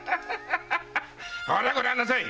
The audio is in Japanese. ほらご覧なさい！